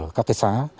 ở các thị xã